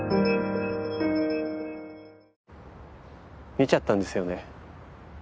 見ちゃったんですよね。